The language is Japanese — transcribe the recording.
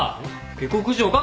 下克上か？